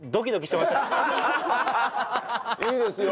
いいですよ。